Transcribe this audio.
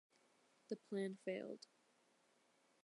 The plan failed.